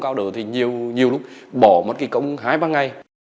nếu mình không cao độ thì nhiều lúc bỏ mất cái công hái vào ngay